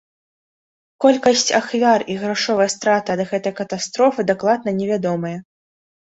Колькасць ахвяр і грашовыя страты ад гэтай катастрофы дакладна не вядомыя.